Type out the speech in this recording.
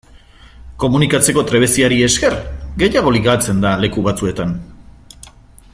Komunikatzeko trebeziari esker gehiago ligatzen da leku batzuetan.